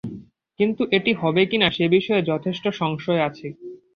কিন্তু এটি হবে কি না সে বিষয়ে যথেষ্ট সংশয় আছে।